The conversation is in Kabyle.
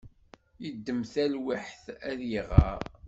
Yeddem talwiḥt ad iɣer.